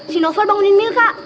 si novel bangunin milka